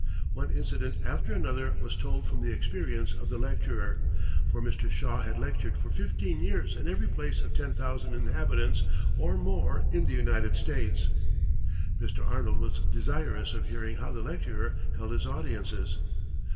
One incident after another was told from the experience of the lecturer, for Mr. Shaw had lectured for fifteen years in every place of ten thousand inhabitants or more in the United States. Mr. Arnold was desirous of hearing how the lecturer held his audiences.